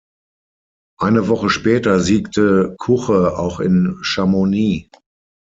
Eine Woche später siegte Cuche auch in Chamonix.